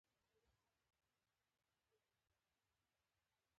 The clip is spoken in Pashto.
د پیاوړتیا بهیر د پرانیستو بنسټونو مسیر ډاډمن کړ.